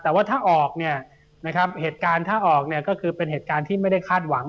แต่ว่าถ้าออกเนี่ยนะครับเหตุการณ์ถ้าออกเนี่ยก็คือเป็นเหตุการณ์ที่ไม่ได้คาดหวัง